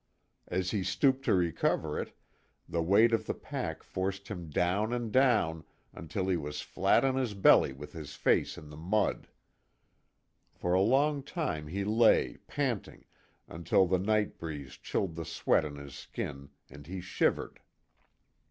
As he stooped to recover it, the weight of the pack forced him down and down until he was flat on his belly with his face in the mud. For a long time he lay, panting, until the night breeze chilled the sweat on his skin, and he shivered.